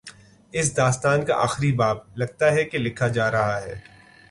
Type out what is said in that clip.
اس داستان کا آخری باب، لگتا ہے کہ لکھا جا رہا ہے۔